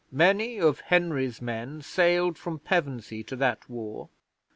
Many of Henry's men sailed from Pevensey to that war.